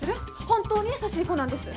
本当に優しい子なんです。